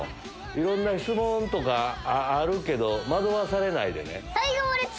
いろんな質問とかあるけど惑わされないでね。